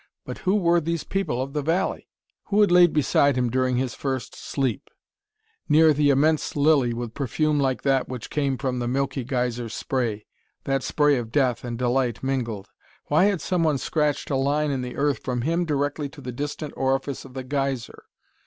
But who were these people of the valley? Who had laid beside him during his first sleep the immense lily with perfume like that which came with the milky geyser spray that spray of death and delight mingled? Why had someone scratched a line in the earth from him directly to the distant orifice of the geyser?